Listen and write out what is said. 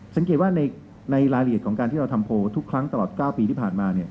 สังเกตว่าในรายละเอียดของการที่เราทำโพลทุกครั้งตลอด๙ปีที่ผ่านมา